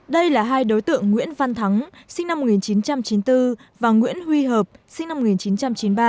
đây là hai đối tượng nguyễn văn thắng sinh năm một nghìn chín trăm chín mươi bốn và nguyễn huy hợp sinh năm một nghìn chín trăm chín mươi ba